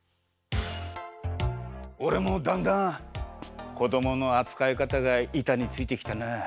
おれもだんだんこどものあつかいかたがいたについてきたな。